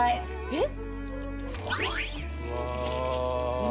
えっ！